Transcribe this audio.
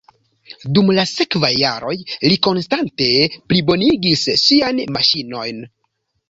Dum la sekvaj jaroj li konstante plibonigis siajn maŝinojn.